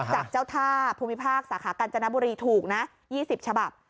จากเจ้าท่าภูมิภาคสาขากัญจนบุรีถูกนะ๒๐ฉบับ